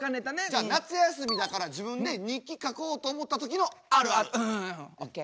じゃあ夏休みだから自分で日記書こうと思った時のあるある。ＯＫ。